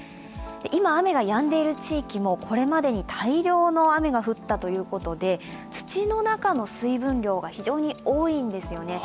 今、雨がやんでいる地域もこれまでに大量の雨が降ったということで土の中の水分量が非常に多いんですよね。